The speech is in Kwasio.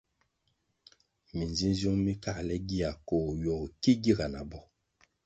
Minzinziung mi káhle gia koh ywogo ki giga na bo.